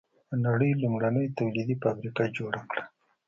د نړۍ لومړنۍ تولیدي فابریکه جوړه کړه.